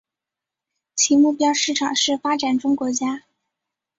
其目标市场是发展中国家。